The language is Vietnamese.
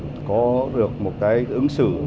và có được một cái ứng xử